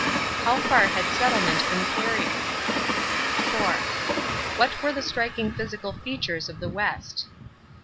How far had settlement been carried? 4. What were the striking physical features of the West?